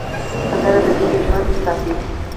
سندره د ژبې ژوند ساتي